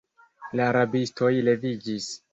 La rabistoj leviĝis.